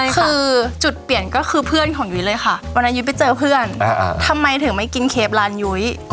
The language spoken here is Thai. คือจุดเปลี่ยนก็คือเพื่อนของยุ้ยเลยค่ะวันนั้นยุ้ยไปเจอเพื่อนทำไมถึงไม่กินเคฟร้านยุ้ย